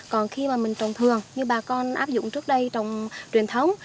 còn khi mà mình trồng thường như bà con áp dụng trước đây trồng truyền thống